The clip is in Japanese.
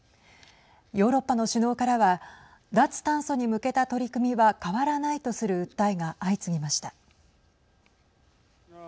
ヨーロッパの首脳からは脱炭素に向けた取り組みは変わらないとする訴えが相次ぎました。